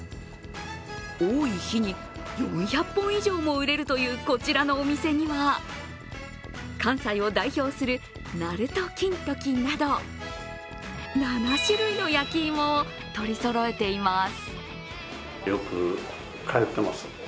多い日に４００本以上も売れるというこちらのお店には、関西を代表する鳴門金時など７種類の焼き芋を取りそろえています。